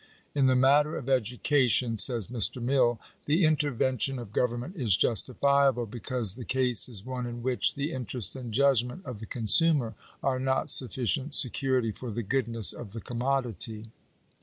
" In the matter of education," says Mr. Mill, " the intervention of government is justifiable ; because the case is one in which the interest and judgment of the con sumer are not sufficient security for the goodness of the commodity."